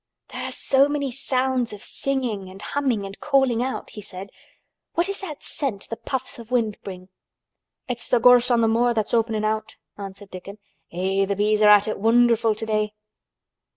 "There are so many sounds of singing and humming and calling out," he said. "What is that scent the puffs of wind bring?" "It's gorse on th' moor that's openin' out," answered Dickon. "Eh! th' bees are at it wonderful today."